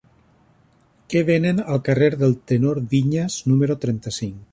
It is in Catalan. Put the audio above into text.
Què venen al carrer del Tenor Viñas número trenta-cinc?